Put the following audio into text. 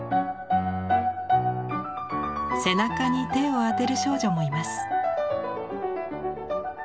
背中に手を当てる少女もいます。